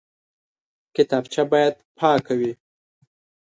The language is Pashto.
کتابچه باید پاکه وي